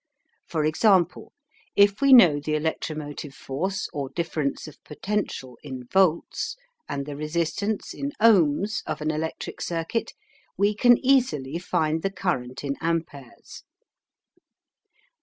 For example, if we know the electromotive force or difference of potential in volts and the resistance in ohms of an electric circuit, we can easily find the current in amperes.